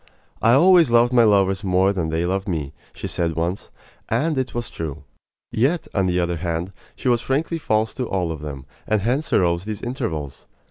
"I always loved my lovers more than they loved me," she said once, and it was true. Yet, on the other hand, she was frankly false to all of them, and hence arose these intervals.